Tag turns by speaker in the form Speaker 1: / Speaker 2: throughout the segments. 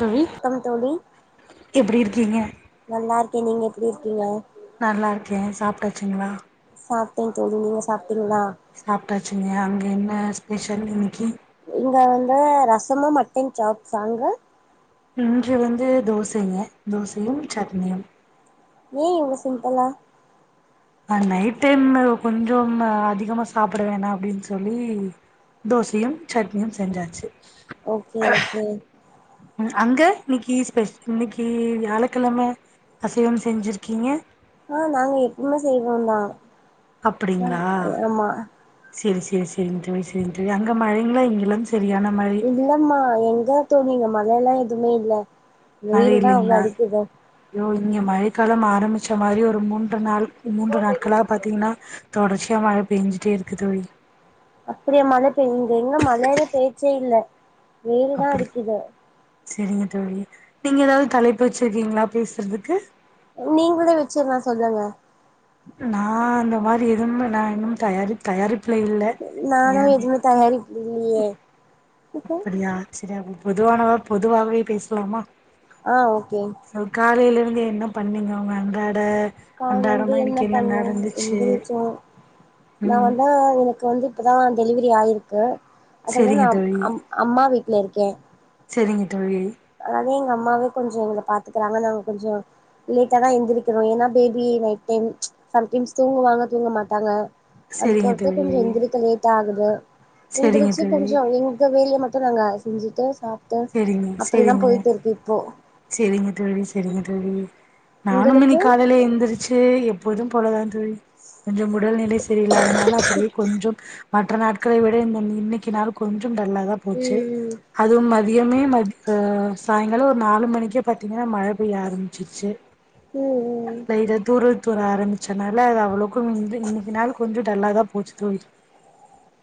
Speaker 1: தொழி
Speaker 2: க்கம் தோழி
Speaker 1: எப்டி இருக்கீங்க
Speaker 2: எ நீங்க எப்டி இருக்கீங்க
Speaker 1: நல்லார்க்கே சாப்ட்டுச்சுங்களா
Speaker 2: சாப்ட்டே தோழி நீங்க சாப்
Speaker 1: சாப்ட்டாச்சுங்க அங்க என்ன பெஷல் இன்னைக்கி
Speaker 2: இங்க வந்து ரசமு மட்டன் சாப்ஜ் அங்க
Speaker 1: இன்று வந்து தோசைங்க தோசையும் சட்னியும்
Speaker 2: ஏ இவ் சிம்பிளா
Speaker 1: அஹ் நைட் டைம் கொஞ்சஅதிகமா சாப்பிடவேணா அப்டின்னு சொல்லி தோசையும் சட்னியும் செஞ்சாச்சு
Speaker 2: ஓகே ஓகே
Speaker 1: இன்னிக்கு ஸ்பெ இன்னிக்கு வியாழக்கெழம அசைவம் செஞ்சிருக்கீங்க
Speaker 2: ஆஹ் நாங்க எப்பவுமே செய்வோ தா
Speaker 1: அப்படிங்களா சேரி சேரி சேரிங் தோழி அங்க மழக்கலா இங்கலா
Speaker 2: இல்லம்மா எங்க [unintelligible] மழைல்லாம் எதுமே இல்ல
Speaker 1: மழை
Speaker 2: வெயில் தா உன்னு
Speaker 1: இல்லைங்களா
Speaker 2: அடிக்குது
Speaker 1: ஐயோ இங்க மழை காலம் ஆரம்பிச்ச மாரி ஒரு மூன் நா மூன்று நாட்களாக பாத்தீங்கன்னா தொடர்ச்சி இங்க மழ பேஞ்சுட்டே இருக்கு தோழி
Speaker 2: அப்படியா மழை பெய்து இங்க எங்க மழல பேச்சே இல்ல வெயில் தா அடிக்குது
Speaker 1: செரிங்க தோழி நீங்க எதாவது தலைப்பு வெச்சிருக்கீங்களா பேசுறதுக்கு
Speaker 2: நீங்களே வெச்சிடலாம் சொல்லுங்க
Speaker 1: நா அந்த மாரி இரும்புன இன்னு தயாரிப் தயாரிப்
Speaker 2: நானும் எதுவுமே தயாரிப்பிலையே
Speaker 1: அப்டியா சேரி பொதுவான பொதுவாகவே பேசலாமா
Speaker 2: ஆஹ் ஓகே
Speaker 1: இல்ல என்ன பண்ணீங்க உங்க அன்றாட
Speaker 2: கால்லயிருந்து
Speaker 1: அன்றாடமா
Speaker 2: என்ன
Speaker 1: இன்னைக்கு
Speaker 2: பண்ண
Speaker 1: நடந்துச்சு
Speaker 2: எந்திரிச்ச நா
Speaker 1: ம்
Speaker 2: தா உனக்கு வந்து இப்பதா டெலிவரி ஆய்ருக்கு அதனால
Speaker 1: சரிங்க
Speaker 2: நா அம்
Speaker 1: தோழி
Speaker 2: அம் அம்மா [unintelligible] ல்ல இருக்கி
Speaker 1: சேரிங்க தோழி
Speaker 2: அதே எங்க அம்மாவே கொஞ்ச எங்கள பாத்துக்கறாங்க நாங்கள் கொஞ்சம் லேட்டா தா எழுந்திரிக்கிறோம் ஏன்னா பேபி நைட் டைம் சம்டைம்ஸ் தூங்குவாங்க தூங்க மாட்டாங்க அது
Speaker 1: சரிங்க
Speaker 2: பொறுத்தே
Speaker 1: தோழி
Speaker 2: கொஞ்சம் எந்திரிக்க லேட் ஆகும் அ
Speaker 1: சரிங்க
Speaker 2: எந்திரிச்சு
Speaker 1: தோழி
Speaker 2: கொஞ்ச எங்க வேலய மட் நாங்க அ செஞ்சுட்டு சாப்
Speaker 1: சேரிங்க சேரிங்க சேரிங்க தோழி சேரிங்க தோழி ம் நானும்
Speaker 2: உங்களுக்கு
Speaker 1: இன்னைக் காலேல எந்திரிச்சு எப் போதும் போலதான் தோழி கொஞ்சம் உடல்நிலை செரியில்லாதனால அப்டியே கொஞ்சம் மற்ற நாட்களை விட இந்த இன்னக்கி நாள் கொஞ் கு டல்லா தா போச்சு
Speaker 2: ம்
Speaker 1: அதுவு மற் தியமே மோக்கு சாய்ங்கால ஒரு நாலு மணிக்கே பா்த்தீங்கனா மழ பெய்ய ஆரம்ச்சிருச்சு
Speaker 2: ம் ம் ம்.
Speaker 1: லைட்டா தூறல் துர ஆரம்மிச்சனால அது அவ்ளோக்கு வந்து இன்னைக்கு நாள் கொஞ்ச டல்லா தா போச்சு தூரிட்டு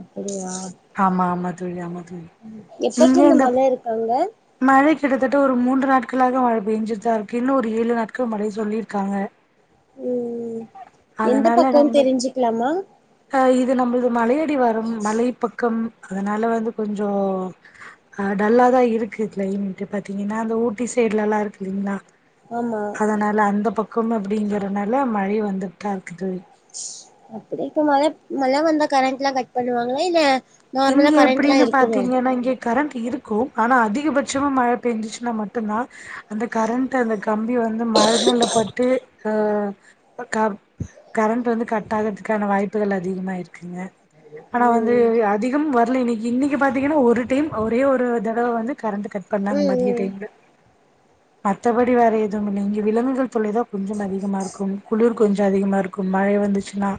Speaker 2: அப்டியா
Speaker 1: தோழி ஆமா தோ
Speaker 2: எப்பக்கிருந்து மழ இருக் அங்க
Speaker 1: மழை கிட்டத்தட்ட ஒரு மூன்று நாட்களாக மழ பெய்ஞ்சிட்தா இருக்கு இன்னு ஒரு ஏழு நாட்கள் மழை சொல்லிருக்காங்க
Speaker 2: உம் எந்த பக்கோன் தெரிஞ்சிக்லாமா
Speaker 1: ஆஹ் இது நம்மள்து மலையடிவாரம் மலை பக்க உம் அதனால வந்து கொஞ்சோ அஹ் டல்லாதா இருக்கு கிளைமேட்டு பாத்தீங்கனா அந்த ஊட்டி சைட்லலா இருக்கு இல்லைங்ளா
Speaker 2: ஆமா
Speaker 1: அதனால அந்த பக் கம் அப்படிங்கறனால மழை வந்துட்டு தா இருக்குது
Speaker 2: அப்படி இப் மழ மழ வந்தா கரண்ட்ல்லா கட் பண்ணுவாங்களா இல்ல
Speaker 1: இங்க
Speaker 2: நார்மலா கரண்ட்லா
Speaker 1: எப்படின்னு
Speaker 2: இருக்குமா
Speaker 1: பாத்தீங்கன்னா இங்க கரண்ட் இருக்கும் ஆனா அதிகபட்சமா மழ பேஞ்சுச்சுன்னா மட்டு தா அந்த கரண்ட் அந்த கம்பி வந்து மரங்கள்ல பட்டு அ கரண்ட் வந்து கட் ஆகறதுக்கான வாய்ப்புகள் அதிகமா இருக்குங்க ஆனா வந்து
Speaker 2: ம்
Speaker 1: அதிகம் வரல இன்னிக்கி இன்னிக்கி பாத்தீங்கன்னா ஒரு டைம் ஒரே ஒரு தடவ வந்து கரண்ட கட் பண்ணாங்க
Speaker 2: ம்
Speaker 1: மதிய
Speaker 2: ம்
Speaker 1: டைம்ல மத்தபடி வேறதுவுமில்ல இங்க விலங்குகள் தொல்லை தா கொஞ்சம் அதிகமா இருக்கும் குளிர் கொஞ்சோ அதிகமா இருக்கும் மழை வந்துச்சுன்னா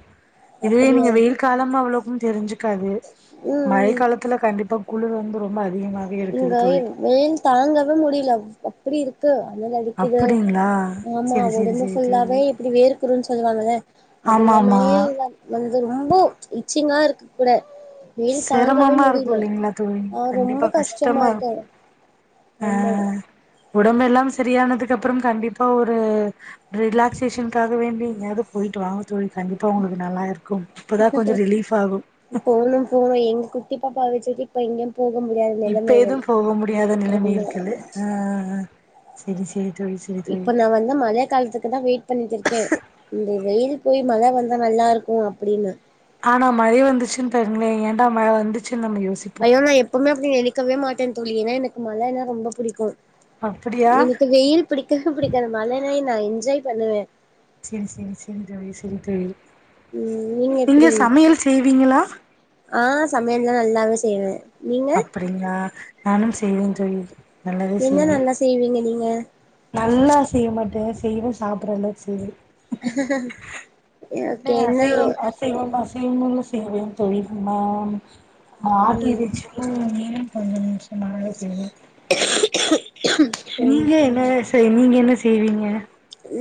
Speaker 1: இதுவே
Speaker 2: அப்படியா
Speaker 1: நீங்க வெயில் காலம் அவ்ளோ தெரிஞ்சுக்காது
Speaker 2: ம்
Speaker 1: மழை
Speaker 2: ம்
Speaker 1: காலத்துல கண்டிப்பா குளிர் வந்து ரொம்ப அதிகமா
Speaker 2: இங்கைம் வெயில் தாங்கவே முடியல அப்படி இருக்கு அனல் அடிக்குது
Speaker 1: அப்படிங்களா
Speaker 2: ஆமா
Speaker 1: செரி செரி
Speaker 2: உடம்பு
Speaker 1: செரி தோழி
Speaker 2: ஃபுல்லாவே இப்படி வேர்குருன் சொல்லுவாங்கல்ல அது
Speaker 1: ஆமா ஆமா
Speaker 2: [unintelligible] அது ரொம்ப இச்சிங்கா இருக்கு கூட வெயில் தாங்கவே
Speaker 1: செரமமா இருக்கு
Speaker 2: முடியல
Speaker 1: இல்லைங்ளா தோழி
Speaker 2: ஆ ரொம்ப
Speaker 1: கண்டிப்பா
Speaker 2: கஷ்டமா
Speaker 1: கஷ்டமாருக்
Speaker 2: இருக்கு ஆமா
Speaker 1: ஆஹ் உடம்பெல்லாம் சரியானதுக்கு அப்றம் கண்டிப்பா ஒரு ரிலாக்சேஷனுக்காக வேண்டி எங்கயாது போயிட்டு வாங்க தோழி கண்டிப்பா ஒங்களுக்கு நல்லா இருக்கும் இப்பதா கொஞ்ச ரிலீஃப் ஆகு
Speaker 2: போல எங்க குட்டி பாப்பாவ வச்சுட்டு இப்ப எங்கன்
Speaker 1: இப்ப எது போக முடியாத நிலமை
Speaker 2: ஆமா
Speaker 1: இருக்குல்ல அஹ் அஹ் அஹ் செரி சேரி
Speaker 2: இப்ப நா வந்து மழ காலத்துக்கு தா வெயிட் பண்ணிட்டு இருக்கே இந்த வெயில் போய் மழ வந்தா நல்லா இருக்கு அப்படின்னா
Speaker 1: ஆனா மழை வந்துச்சுன் பெருங்ளே ஏன்டா மழ வந்துச்சு
Speaker 2: ஐயோ நா எப்பமே அப்டி நெனைக் க்கவே மாட்டேன் தோழி ஏனா எனக்கு மழைனா ரொம்ப புடிக்கு
Speaker 1: அப்டியா
Speaker 2: எனக்கு வெயில் பிடிக்கவே பிடிக்காது மழ நா என் நா என்ஜாய் பண்ணுவே
Speaker 1: சேரி சேரி சேரி தோழி செரி தோழி நீங்க சமையல் செய்வீங்களா
Speaker 2: ஆஹ் சமையல்லா நல்லாவே செய்வே நீங்க
Speaker 1: அப்டிங்ளா நானும் செ செய்வே தோழி நல்லாவே
Speaker 2: என்ன
Speaker 1: செய்வேன்
Speaker 2: நல்லா செய்வீங்க நீங்க
Speaker 1: நல்லா செய்ய மாட்டே செய்வே சாப்ட்றளவுக்கு செய்வே என்ன அசைவம் அசைவம் அசைவமுனு தேவையும் தோழி ம்மாம் ஆட்டு
Speaker 2: ம்
Speaker 1: இறைச்சி ஒன்னு வேணு ம் கொஞ்ச நிம்ஷ சுமாராதா செய்வே
Speaker 2: ம்
Speaker 1: நீங்க என்ன சேரி நீங்க என்ன செய்வீங்க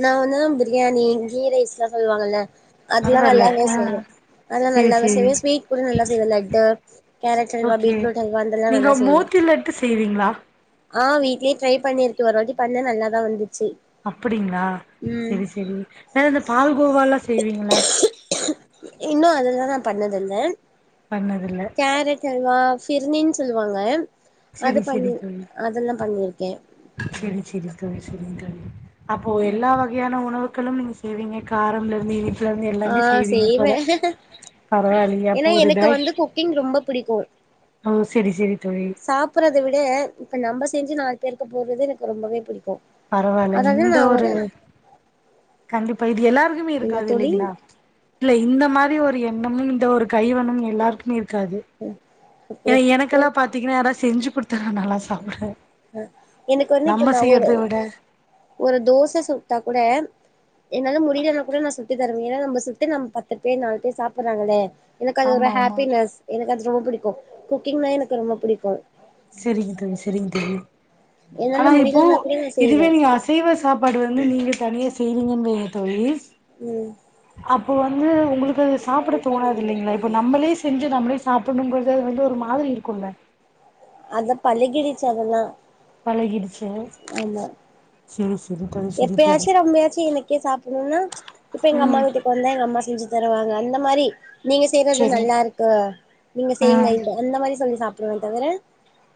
Speaker 2: நா வந்து பிரியாணி கீ ரைஸ் லா சொல்வாங்கல்ல அதுலா
Speaker 1: பரவால்ல
Speaker 2: நல்லாவே
Speaker 1: ஆ
Speaker 2: செய்வே அதலா
Speaker 1: சேரி
Speaker 2: நல்லாவே
Speaker 1: சேரி
Speaker 2: செய்வே ஸ்வீட் கூட நல்லா செய்வே laddu carrot halwa
Speaker 1: okay
Speaker 2: beetroot halwa அந்தல்லா
Speaker 1: நீங்க
Speaker 2: நல்லா செய்வே
Speaker 1: மோத்தி லட்டு செய்வீங்களா
Speaker 2: ஆ வீட்லே ட்ரை பண்ணிருக்கே ஒரு வாட்டி பண்ண நல்லாதா வந்துச்சி
Speaker 1: அப்டிங்ளா செரி செரி வேற இந்த பால்கோவால்லா செய்வீங்களா
Speaker 2: இன்னு அதெல்லா நா பண்ணதில்ல
Speaker 1: பண்ணதில்ல
Speaker 2: ல்வா ஃபிர்னின் சொல்லுவாங்க அது
Speaker 1: செரி செரி
Speaker 2: பண்ணி
Speaker 1: தோழி
Speaker 2: அதெல்லா பண்ணிருக்கே
Speaker 1: சேரிங் தோழி அப்போ எல்லா வகையான உணவு க்களு நீங்க செய்வீங்க காரம்லந்து இனிப்
Speaker 2: ஆ செய்வே
Speaker 1: பரவாயில்லையே அப்போ
Speaker 2: ஏன்னா
Speaker 1: ஒரு
Speaker 2: எனக்கு
Speaker 1: பேக்
Speaker 2: வந்து குக்கிங் ரொம்ப புடிக்கும்
Speaker 1: ஓ செரி செரி தோழி
Speaker 2: சாப்புட்றத விட இப்ப நம்ப செஞ்சி நாலு பேருக்கு போட்றது எனக்கு ரொம்பவே புடிக்கும்
Speaker 1: பரவால்லங் இந்த ஒரு கண்டிப்பா இப் எல்லாருக்குமே
Speaker 2: என்ன
Speaker 1: இருக்காது
Speaker 2: தோழி
Speaker 1: இல்லைங்ளா இல்ல இந்த மாரி ஒரு எண்ணமு இந்த ஒரு கைவண்ணமு எல்லாருக்குமே இருக் காது ஏனா
Speaker 2: அப்டியா
Speaker 1: எனக்கெல்லா பாத்தீங்ன்னா யாராசி செஞ்சி குடுத்தாதா நல்ல சாப்டுவே
Speaker 2: அ எனக்கு வந்து இப்ப
Speaker 1: நம்ம
Speaker 2: நா ஒரு
Speaker 1: செய்யறத விட
Speaker 2: ஒரு தோச சுட்டா கூட என்னால முடிலன்னா கூட நா சுட்டு தருவே ஏன்னா நம்ம சுட்டு நம்ம பத்து பேர் நாலு பேர் சாப்டுறாங்களே எனக் அது ஒரு
Speaker 1: ஆமா ஆமா
Speaker 2: ஹப்பினஸ் எனக்கு அத் ரொம் புடிக் குக்கிங்னா எனக்கு ரொம்ப புடிக்கும்.
Speaker 1: சரிங்க தோழி சரிங்க தோழி ஆனா
Speaker 2: என்னால
Speaker 1: இப்போ
Speaker 2: முடியலனா கூட நா
Speaker 1: இதுவே
Speaker 2: செய்வே
Speaker 1: நீ அசைவ சாப்பாடு வந்து நீங்க தனியா சேரிங்கமே தோழி.
Speaker 2: ஊம்.
Speaker 1: அப்போ வந்து உங்களுக்கது சாப்ட தோணாது இல்லைங்களா இப்போ நம்ளே செஞ்சு நம்ளே சா சாப்னுங் போது அது வந்து ஒரு மாதிரி இருக்கும்ல
Speaker 2: அத பலுகிடிச்சு அதெல்லாம்.
Speaker 1: பலகிடுச்சு சேரி சேர்
Speaker 2: எப்பயாச்சும் ரொம்பயாச்சும் என்னக்கே சாப்புண்ணும்ன்னா ம்ச் இப்ப எங்க அம்மா
Speaker 1: ம்
Speaker 2: வீட்டுக் வந்தா எங்க அம்மா செஞ்சு தருவாங்க அந்த மாறி நீங்க செய்றது
Speaker 1: சரி
Speaker 2: நல்லாருக்கு நீங்க
Speaker 1: ஆ
Speaker 2: செய்ங்க அந்த மாறி சொல்லி சாப் தவர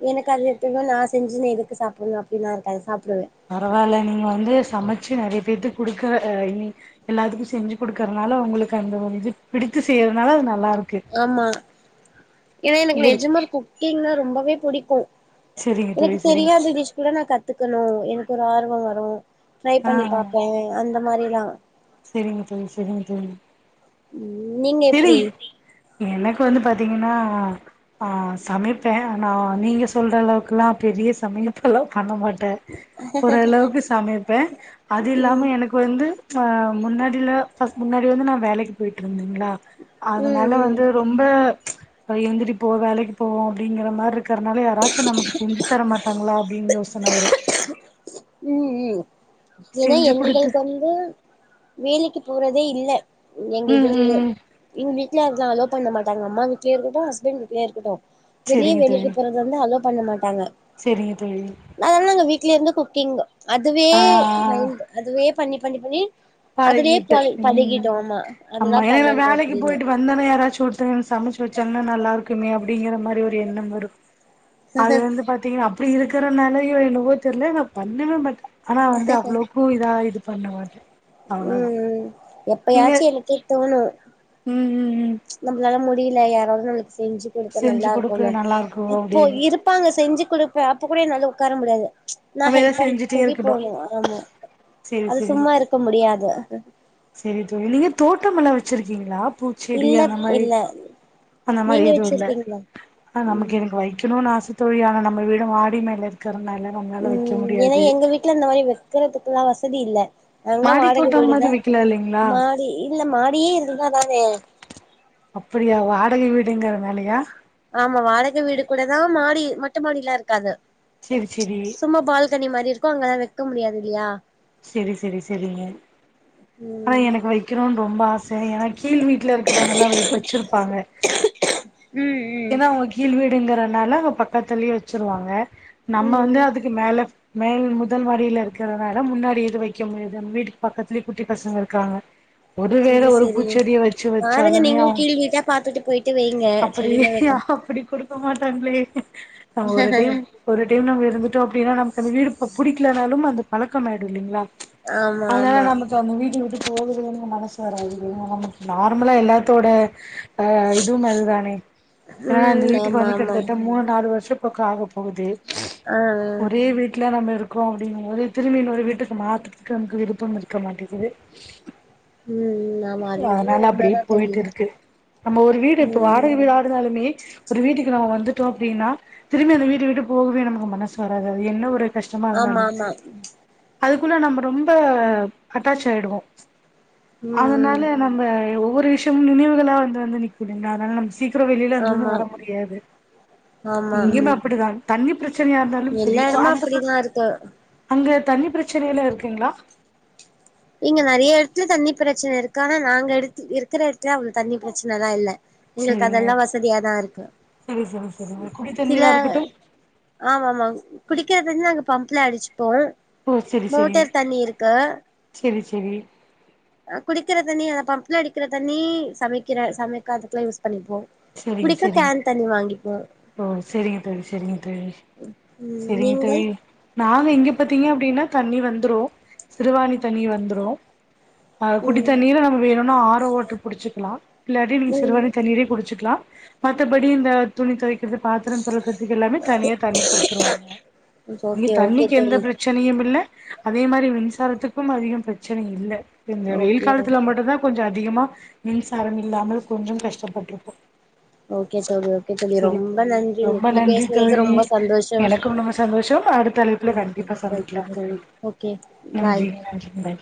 Speaker 2: எனக்கு அது [unintelligible] நா செஞ்சு எதுக்கு சாப்புண் அப்படின்னா [unintelligible]
Speaker 1: பரவால்ல நீங்க வந் ந்து சமச்சு நெறைய பேத்துக் குடுக்கற எல்லாத்துக்கும் செஞ்சு குடுக்கறனால உங்ளுக்கு அந்த இது பிடித்து செயறத்னால அது நல்லா இருக்
Speaker 2: ஆமா ஏனா எனக்
Speaker 1: இருக்கு
Speaker 2: நெஜமா குக்கிங்னா ரொம்ப வே புடிக்கு
Speaker 1: செரிங்க
Speaker 2: எனக்கு
Speaker 1: தோழி செரிங்க
Speaker 2: தெரியாத டிஷ் கூட நா கத்துக்கணு எனக் ஒரு ஆர்வ வரு ட்ரை
Speaker 1: ஆ
Speaker 2: பண்ணி
Speaker 1: ஆ
Speaker 2: பாப்பே அந் ந்த மாறிலா
Speaker 1: செரிங்க தோழி செரிங்க தோழி
Speaker 2: உ நீங்க
Speaker 1: செரி
Speaker 2: எப்பிடி
Speaker 1: எனக்கு வந்து பாத்தீங்கன்னா ஆ சமைப்பே ஆனா நீங்க சொல்றளவுக்குலா பெரிய சமயப்பெல்லா பண்ண மாட் ட ஓரளவுக்கு சமைப்பே அது இல்லாம எனக்கு வந்து ஆஹ் முன்னாடிலா ஃபஸ் முன்னாடி வந்து நா வேலைக்கு போயிட்ருந்தங்ளா அதனால
Speaker 2: ம் ம்
Speaker 1: வந்து ரொம்ப அது எந்திரிப்போ வேலைக்கு போவோ அப்படிங்ற மார்ருக் ருக்ரனால யாராச்சு நமக் செஞ்சி தர மாட் டாங்களா அப்டின் யோசன வரு
Speaker 2: உம் ஊம் ஏனா
Speaker 1: செஞ்சு குடுத்து
Speaker 2: என்கள்க்கு வந்து வேலைக்கு போறதே இல்ல எங்க
Speaker 1: ம் ம்
Speaker 2: இதுலயே
Speaker 1: ம்
Speaker 2: எங் க வீட்ல அதெலா அலோ பண்ண மாட்டாங்க அம்மா வீட்லயு இருக்கட்டு ஹஸ்பண்ட் வீட்லயு இருக்கட்டு வெளியே
Speaker 1: செரிங்க
Speaker 2: வேலைக்கு
Speaker 1: தோழி
Speaker 2: போறது வந்து அலோ பண்ணமாட் டாங்க
Speaker 1: செரிங்க தோழி
Speaker 2: நாங்க தான வீ ட்லியிருந்து குக் கிங்கு அதுவே
Speaker 1: ஆ ஆ ஆ
Speaker 2: மைண்ட் அதுவே பண்ணி பண்ணி பண்ணி அதுலயே
Speaker 1: பழகிட்டு
Speaker 2: பழ பழகிட்டோ
Speaker 1: உம்
Speaker 2: ஆமா அதுதா
Speaker 1: ஆம்மா ஏன்னா
Speaker 2: பண்ணணு
Speaker 1: வேலைக்கு
Speaker 2: அப்டின்னு
Speaker 1: போயிட்டு வந்தொன்னே யாராச்சும் ஒருத்தங் சமைச்சு வச்சாங்கன்னா நல்லா இருக் க்குமே அப்படிங்கற மாரி ஒரு எண்ணம் வரும் அது வந்து பாத்தீங்கனா அப்டி இருக் திற நாலையோ என்னவோ தெர்ல நா பண்ணவே மாட்ட ஆனா வந்து அவ்ளவுக்கு இதா இது பண்ண மாட்டே அவ்ளோதா
Speaker 2: உம்
Speaker 1: நீங்க
Speaker 2: எப்பயாச்சி எனக்கே தோணு
Speaker 1: ம் ம் ம்
Speaker 2: நம்ளால மு முடில யாராவது நம்ளுக் செஞ்சி குடுத்தா
Speaker 1: செஞ்சு
Speaker 2: நல்லா
Speaker 1: குடுக்கு
Speaker 2: இருக்குல
Speaker 1: நல்லா இருக்கும்
Speaker 2: இப்போ
Speaker 1: அப்டின்னு
Speaker 2: இருப்பாங்க செஞ்சி குடுப்ப அப்ப கூட என்னால உட்கார முடியாது நா
Speaker 1: நம்ம எதா
Speaker 2: ஹெல்ப் பண்றனு
Speaker 1: செஞ்சுட்டே
Speaker 2: சொல்லி
Speaker 1: இருக்கணு
Speaker 2: போனு ஆம்மா
Speaker 1: செரி
Speaker 2: அது
Speaker 1: செரி
Speaker 2: சும்மா இருக்க முடியா வேற
Speaker 1: செரி தோழி நீங்க தோட்டமல்லா வெச்சிருக்கீங்ளா பூச்செடி
Speaker 2: இல்ல
Speaker 1: அந்த மாரி
Speaker 2: இல்ல
Speaker 1: அந்த மாரி
Speaker 2: நீங்க
Speaker 1: எதுவு இல்ல
Speaker 2: வச்சிருக்கீங்களா
Speaker 1: ஆனா
Speaker 2: ம்
Speaker 1: நமக்கு எனக்கு வைக்கணும்னு ஆச தோழி ஆனா நம்ம வீ மாடி மேல இருக்கு
Speaker 2: ம் ஏனா எங்க வீட்ல இந்த மாரி வெக்கறதுக்கெல்லா வச சதி இல்ல நாங்கெல்லா
Speaker 1: மாடி
Speaker 2: வாடக
Speaker 1: தோட்டம் மாரி
Speaker 2: வீடுதா
Speaker 1: வைக்கலா இல்லைங்களா
Speaker 2: மாடி இல்ல மாடியே இருந்தா தான
Speaker 1: அப்டிங்கறதுனாலயா
Speaker 2: ஆம்மா வாடக வீடு கூடதா மாடி மொட்ட மாடிலா இருக்காது
Speaker 1: செரி செரி
Speaker 2: சும்மா பால்கனி மாரி இருக்கு அங்கலா வெக் க்க முடியாதில்லையா
Speaker 1: சேரி சேரி சேரிங்க ஆனா
Speaker 2: ம்
Speaker 1: எனக்கு வைக்கிறோனு ரொம்ப ஆச எனக் கீழ் வீட்ல இருக்கிறவங்க லா வச்சிருப்பாங்க
Speaker 2: ம் ம்
Speaker 1: ஏன்னா அவங்க கீழ்வீடு. அப்டிங்றனால அங்க பக்கத்துலயே வச்சுருவாங்க. நம்ம வந்து
Speaker 2: ம்
Speaker 1: அதுக்கு மேல மேல் முதல் மாடில இருக்கிறனால. முன்னாடி எது வைக்க முடியாது வீட்டுக்கு பக்கத்துலயே குட்டி பசங்க இருக்காங்க ஒரு வேள
Speaker 2: செரி
Speaker 1: ஒரு
Speaker 2: செரி
Speaker 1: பூச்செடிய வச்சு
Speaker 2: பாருங்க
Speaker 1: வச்சாலுமே
Speaker 2: நீங்களு கீழ் வீட்டா பாத்துட்டு போயிட்டு வைங்க செடிலா
Speaker 1: அப்டியா
Speaker 2: வெக்க
Speaker 1: அப்டி குடு க்கமாட்டாங்ளே ஒரு டைம் ஒரு டைம் நம்ம இருந்துட்டோ அப்டின்னா நமக்கு அந்த வீடு புடிக்கலனாலு அந்த பழக்கம் ஆயிடுயில்லிங்களா
Speaker 2: ஆமா
Speaker 1: அதனால
Speaker 2: ஆமா
Speaker 1: நமக்கு அந்த வீட்ட விட்டு போகுறதுனு மனசு வராது இல்லைங்களா. நார்மலா எல்லாத்தோட அ இதுவு அதுதானே ஏனா நா இந்த
Speaker 2: ம்
Speaker 1: வீட்டுக்கு
Speaker 2: ஆமா
Speaker 1: வந்து
Speaker 2: ஆமா
Speaker 1: கிட்டத்தட்ட மூணு நாலு வருஷ ப்பக் ஆக போகுது
Speaker 2: ஆ
Speaker 1: ஒரே வீட்ல நம்ம இருக் க்கோ அப்டிங்கம்போது. திரும்பி இன்னோரு வீட்டுக்கு மாத்தறத்துக்கு நமக்கு விருப்பம் இருக்க மாட்டிங்குது.
Speaker 2: ம் ஆமா அது
Speaker 1: [unintelligible]
Speaker 2: என்னவோ
Speaker 1: அதனால அப்டியே
Speaker 2: உண்மதா தோழி
Speaker 1: போயிட்டுருக்கு நம்ம ஒரு வீடு இப்ப
Speaker 2: ம்
Speaker 1: வாடக வீடா இருந்தாலுமே. ஒரு வீட்டுக்கு நாம வந்துட்டோ அப்டின்னா திரும்பி அந்த வீட்ட விட்டு போகவே நமக்கு மனசு வராது அது என்ன ஒரு கஷ்டமா
Speaker 2: ஆமா
Speaker 1: இருந்தாலு
Speaker 2: ஆமா
Speaker 1: சரி அதுக்குள்ள நம்ம ரொம்ப அட்டாச் ஆயிடுவோ
Speaker 2: ம் ம்
Speaker 1: அதனால நம்ம ஒவ்வொ ரு விஷயமு நினைவுகளா வந்து வந்து நிக்குதுங்ளா அதனால நம்க் சீக்கரோ வெளில
Speaker 2: ஆமா
Speaker 1: அங்கிருந்து வர முடியாது
Speaker 2: ஆமா
Speaker 1: இங்கயுமே அப்படிதாங் தண்ணி பிரச் ச்சனையா இருந்தாலும் செரி
Speaker 2: எல்லா எடமு அப்டிதா இருக்கு
Speaker 1: அங்க தண்ணி பிரச்சனை எல்லா இருக்குங்களா
Speaker 2: இங்க நெறைய எடத்துல தண்ணி பிரச்சன இருக்கு ஆனா நாங்க எடுத்து இருக்கற எடத்துல அவ்ள் தண்ணி பிரச்சனல்லா இல்ல. எங்களுக்கு
Speaker 1: சரிங்க
Speaker 2: அதெல்லா வசதியா தா இருக்கு.
Speaker 1: சரி சரி சரிங்க குடி
Speaker 2: சில
Speaker 1: தண்ணீரா இருக்கட்டு
Speaker 2: ஆமாமாங் குடிக்கற தண்ணி நாங்க பம்ப்ல அடிச்சு ப்போ
Speaker 1: ஓ சரி
Speaker 2: மோட்டர் தண்ணி இருக்கு.
Speaker 1: செரி
Speaker 2: அ குடிக்கிற தண்ணி அத பம்ப்ல அடிக்கற தண்ணி சமைக்கிற சமைக்க அத தா யூஸ் பண்ணிப்போ
Speaker 1: செரிங்க
Speaker 2: குடிக்க
Speaker 1: செரிங்க
Speaker 2: கேன் தண்ணி வாங்கிப்போ
Speaker 1: ஓ செரிங்க தோழி செரிங்க தோழி
Speaker 2: ம்
Speaker 1: செரிங்க
Speaker 2: நீங்க
Speaker 1: தோழி நானு இங்க பாத்தீங்க அப்டினா தண்ணி வந்துரு சிறுவாணி தண்ணி வந்துரு அ குடி
Speaker 2: ம்
Speaker 1: தண்ணீரு நம்ம வேணுனா ஆரோ வாட்டர் புடிச்சிக்கலா இல்லாட்டி நீங்க
Speaker 2: ம்
Speaker 1: சிறுவாணி தண்ணீரே குடி ச்சுக்கலா மத்தபடி இந்த துணி தொவைக் கர்து பாத்தரோ தொலக்கர்துக்கு எல்லாமே தனியா தண்ணி குடுத்துருவாங்க இங்க
Speaker 2: ஓகே ஓகே
Speaker 1: தண்ணிக்கு எந்த
Speaker 2: தோழி
Speaker 1: பிரச்சனையுமில்ல அதே மாரி மின்சாரத்துக்கும் அதிகம் பிரச்சனயில்ல இந்த வெயில்
Speaker 2: ஓகே
Speaker 1: காலத்துல மட்டுந்தா கொஞ்ச அதிகமா மின்சாரம் இல்லாமல் கொஞ்சம் கஷ்டப்பட்ருக்கோ
Speaker 2: ஓகே தோழி ஓகே தோழி
Speaker 1: சரி
Speaker 2: ரொம்ப
Speaker 1: தோழி
Speaker 2: நன்றி
Speaker 1: ரொம்ப
Speaker 2: உங்ககிட்ட
Speaker 1: நன்றி
Speaker 2: பேசுனதுக்கு
Speaker 1: தோழி
Speaker 2: ரொம்ப சந்தோஷம்
Speaker 1: எனக்கும் ரொம்ப சந்தோஷம் அடுத் தலைப்புல கண்டிப்பா சந்திக்கலாம் தோழி
Speaker 2: ஓகே பாய்
Speaker 1: நன்றி நன்றி பாய்